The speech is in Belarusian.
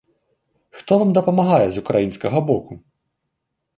Хто вам дапамагае з украінскага боку?